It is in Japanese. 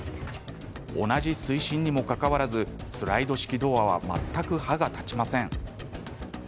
同じ水深にもかかわらずスライド式ドアは全く歯が立ちません。